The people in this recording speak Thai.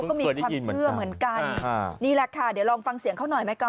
พี่ทำยังไงฮะ